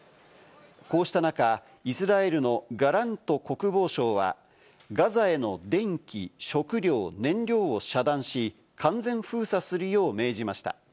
こうした中、イスラエルのガラント国防相はガザへの電気、食料、燃料を遮断し、完全封鎖するよう命じました。